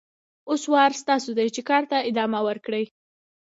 اوس وار ستاسو دی چې کار ته ادامه ورکړئ.